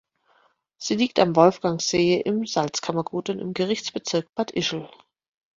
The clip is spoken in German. Sie liegt am Wolfgangsee im Salzkammergut und im Gerichtsbezirk Bad Ischl.